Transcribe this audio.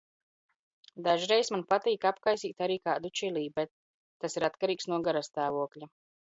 Dažreiz man patīk apkaisīt arī kādu čili, bet tas ir atkarīgs no garastāvokļa.